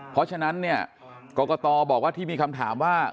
เพราะฉะนั้นเนี่ยกรกตบอกว่าที่มีคำถามว่า